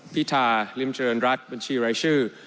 พิธาริมเจริญรัฐบัญชีรายชื่อ